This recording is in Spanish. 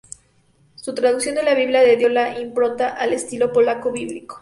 Su traducción de la Biblia le dio la impronta al estilo polaco bíblico.